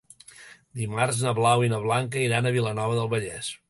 Dimarts na Blau i na Blanca iran a Vilanova del Vallès.